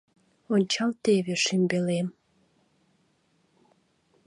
— Ончал теве, шӱмбелем